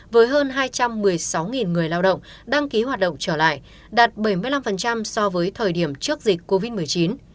với hơn hai trăm một mươi sáu người lao động đăng ký hoạt động trở lại đạt bảy mươi năm so với thời điểm trước dịch covid một mươi chín